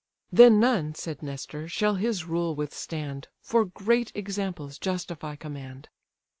"Then none (said Nestor) shall his rule withstand, For great examples justify command."